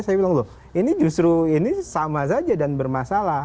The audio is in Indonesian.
saya bilang loh ini justru ini sama saja dan bermasalah